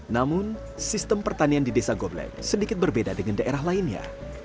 namun sistem pertanian di desa gobleg sedikit berbeda dengan daerah lainnya